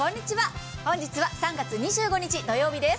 本日は３月２５日土曜日です。